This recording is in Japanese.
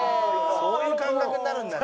そういう感覚になるんだね。